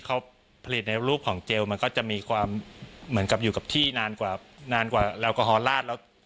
เขาผลิตในรูปของเจลมันก็จะมีความเหมือนกับอยู่กับที่นานกว่านานกว่าแอลกอฮอลลาดแล้ว